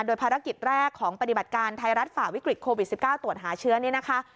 โดยภารกิจแรกของปฏิบัติการไทยรัฐฝ่าวิกฤตโควิด๑๙ตรวจหาเชื้อนี่นะคะ